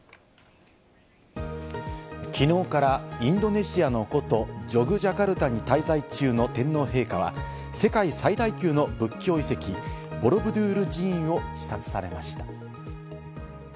きのうからインドネシアの古都・ジョグジャカルタに滞在中の天皇陛下は世界最大級の仏教遺跡・ボロブドゥール寺院を視察されました。